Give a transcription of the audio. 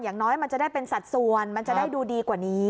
อย่างน้อยมันจะได้เป็นสัดส่วนมันจะได้ดูดีกว่านี้